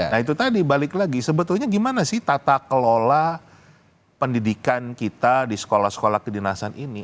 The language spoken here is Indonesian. nah itu tadi balik lagi sebetulnya gimana sih tata kelola pendidikan kita di sekolah sekolah kedinasan ini